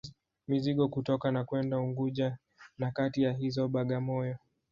Mizigo kutoka na kwenda Unguja na kati ya hizo Bagamoyo